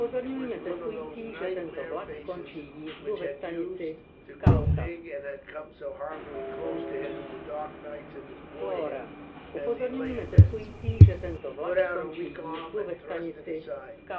It was one of those nightmare faces which had used to grow big and had come so horribly close to him in the dark nights of his boyhood as he lay in bed. He put out a weak arm and thrust it aside.